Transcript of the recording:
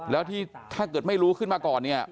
แล้วที่ถ้าเกิดไม่รู้ขึ้นมาก่อนเนี่ย